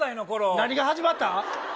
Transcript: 何が始まった？